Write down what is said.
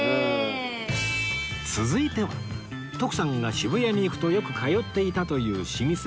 続いては徳さんが渋谷に行くとよく通っていたという老舗